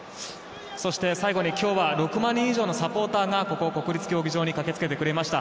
そして最後に今日は６万人以上のサポーターがここ国立競技場に駆け付けてくれました。